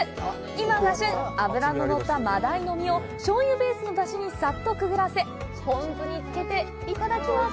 今が旬、脂の乗った真鯛の身を醤油ベースの出汁にさっとくぐらせポン酢につけていただきます！